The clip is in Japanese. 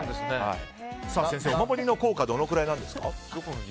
先生、お守りの効果はどのくらいなんですか？